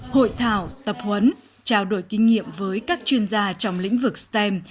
hội thảo tập huấn trao đổi kinh nghiệm với các chuyên gia trong lĩnh vực stem